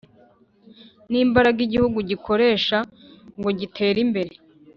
N'imbaraga igihugu gikorsha ngo gitere imbere